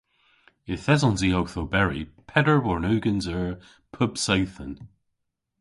Yth esons i owth oberi peder warn ugens eur pub seythen.